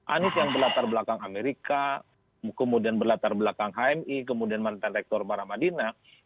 anies yang berlatar belakang amerika kemudian berlatar belakang hmi kemudian mantan rektor para madinah